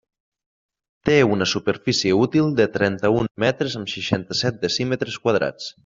Té una superfície útil de trenta-un metres amb seixanta-set decímetres quadrats.